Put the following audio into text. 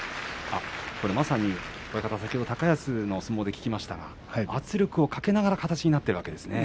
親方、先ほど高安の相撲で聞きましたが圧力をかける形で形になっているんですね。